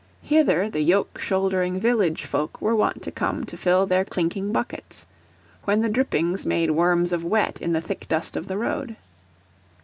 Hither the yoke shouldering village folk were wont to come to fill their clinking buckets; when the drippings made worms of wet in the thick dust of the road.